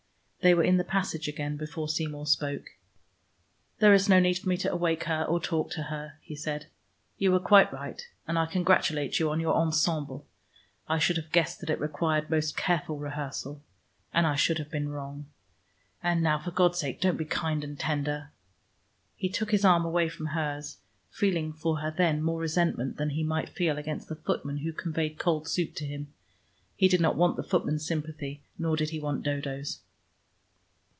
They were in the passage again before Seymour spoke. "There is no need for me to awake her or talk to her," he said. "You were quite right. And I congratulate you on your ensemble. I should have guessed that it required most careful rehearsal. And I should have been wrong. And now, for God's sake, don't be kind and tender " He took his arm away from hers, feeling for her then more resentment than he might feel against the footman who conveyed cold soup to him. He did not want the footman's sympathy, nor did he want Dodo's.